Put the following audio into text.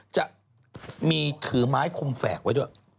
จะมีถือไม้คมแฝกไว้ด้วย